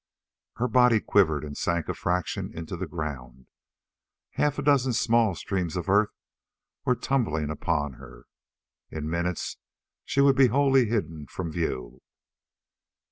Her body quivered and sank a fraction into the ground. Half a dozen small streams of earth were tumbling upon her. In minutes she would be wholly hidden from view.